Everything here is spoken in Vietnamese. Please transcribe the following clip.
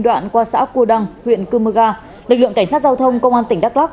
đoạn qua xã cua đăng huyện cư mơ ga lực lượng cảnh sát giao thông công an tỉnh đắk lắc